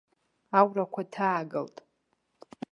Аурақәа ҭаагалт.